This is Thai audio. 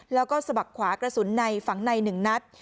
แล้วก็สะบักขวากระสุนในฝังใน๑นัด